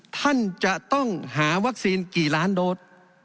ท่านจะต้องหาวัคซีนกี่ล้านโดส